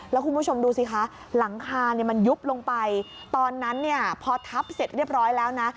แล้วคุณผู้ชมดูสิคะหลังคาเนี่ยมันยุบลงไปตอนนั้นเนี่ยพอทับเสร็จเรียบร้อยแล้วนะ